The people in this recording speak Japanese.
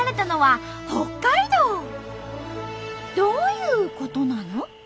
どういうことなの？